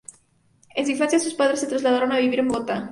En su infancia, sus padres se trasladaron a vivir en Bogotá.